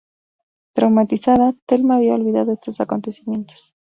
Traumatizada, Thelma había olvidado estos acontecimientos.